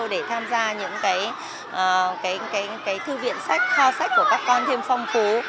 để tham gia những cái thư viện sách kho sách của các con thêm phong phú